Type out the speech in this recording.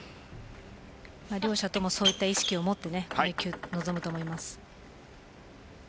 両者ともそれぐらいの意識をもって臨むと思います。